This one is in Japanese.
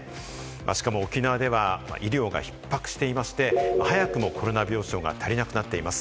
しかも沖縄では医療がひっ迫していまして、早くもコロナ病床が足りなくなっています。